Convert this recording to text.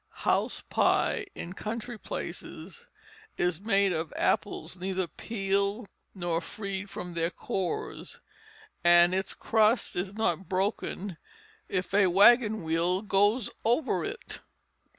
House pie, in country places, is made of apples neither peeled nor freed from their cores, and its crust is not broken if a wagon wheel goes over it."